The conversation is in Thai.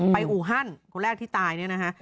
อูฮันคนแรกที่ตายเนี่ยนะฮะ